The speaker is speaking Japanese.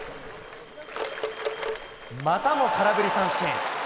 またも空振り三振。